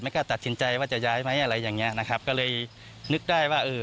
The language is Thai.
กล้าตัดสินใจว่าจะย้ายไหมอะไรอย่างเงี้ยนะครับก็เลยนึกได้ว่าเออ